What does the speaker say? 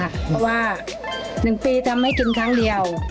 เพราะว่า๑ปีจะไม่กินครั้งเดียว